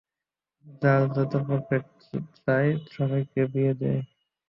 যার যত প্যাকেট চাই, সবাইকে দিয়ে দে।